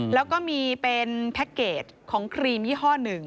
แล้วก็มีเป็นแพ็คเกจของครีมยี่ห้อหนึ่ง